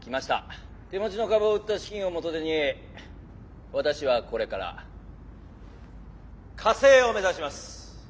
手持ちの株を売った資金を元手に私はこれから火星を目指します！」。